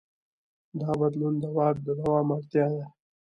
دا بدلون د واک د دوام اړتیا ده.